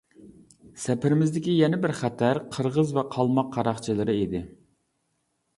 سەپىرىمىزدىكى يەنە بىر خەتەر قىرغىز ۋە قالماق قاراقچىلىرى ئىدى.